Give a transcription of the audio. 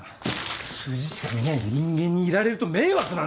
数字しか見ない人間にいられると迷惑なんだよ。